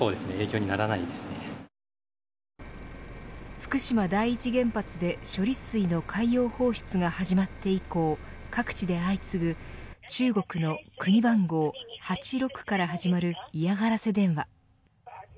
福島第一原発で処理水の海洋放出が始まって以降各地で相次ぐ、中国の国番号８６から始まる嫌がらせ電話。